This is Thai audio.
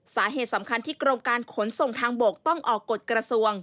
สาเหตุสำคัญที่กรมการขนส่งทางบกต้องออกกฎกระทรวง